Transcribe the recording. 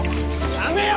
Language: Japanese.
やめよ！